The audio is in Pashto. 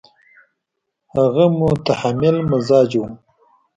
هغه متحمل مزاجه وو.